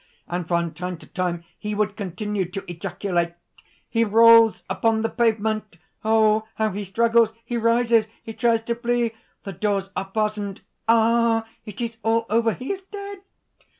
and from time to time he would continue to ejaculate: 'He rolls upon the pavement ... Oh! how he struggles ... He rises ... He tries to flee ... The doors are fastened ... Ah! it is all over! He is dead!'